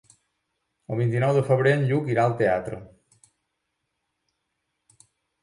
El vint-i-nou de febrer en Lluc irà al teatre.